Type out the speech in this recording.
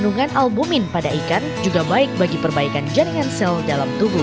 kandungan albumin pada ikan juga baik bagi perbaikan jaringan sel dalam tubuh